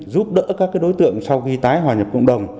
giúp đỡ các đối tượng sau khi tái hòa nhập cộng đồng